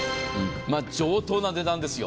上等な値段ですよ。